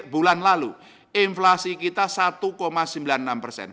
bulan lalu inflasi kita satu sembilan puluh enam persen